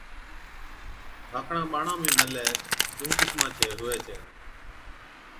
ڌاڪڙان ٻاڙان ۾ ملَي ڏُونهن قِسمان چَي هُوَي ڇَي،